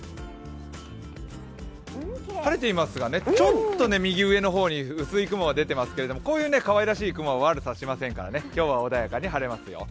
晴れていますが、ちょっと右上の方に薄い雲が出ていますがこういうかわいらしい雲は悪さはしませんから今日は穏やかに晴れますよ。